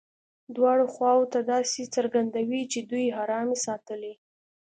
دواړو خواوو ته داسې څرګندوي چې دوی ارامي ساتلې.